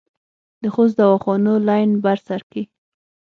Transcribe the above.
د خوست دواخانو لین بر سر کې